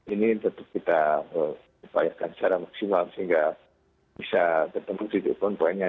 ini tentu kita upayakan secara maksimal sehingga bisa tertentu titik pinpointnya